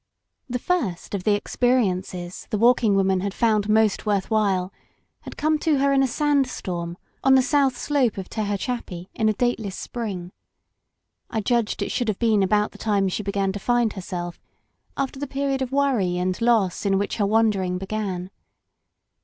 20I LOST BORDERS The first of the experiences the Walking Woman had fotmd most worth while had come to her in a sand storm on the south slope of Tehachapi in a dateless spring. I judged it should have been about the time she began to find herself, after the period of worry and loss in which her wandering began.